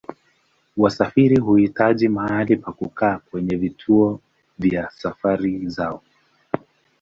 Wasafiri huhitaji mahali pa kukaa kwenye vituo vya safari zao.